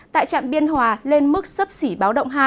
tại trạm biên hòa lên mức sấp xỉ báo động hai